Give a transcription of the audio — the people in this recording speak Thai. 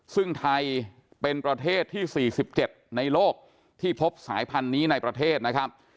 ซึ่งไทยเป็นประเทศที่๔๗ในโลกที่พบสายพันธุ์นี้ในประเทศนะครับ